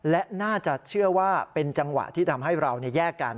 และน่าจะเชื่อว่าเป็นจังหวะที่ทำให้เราแยกกัน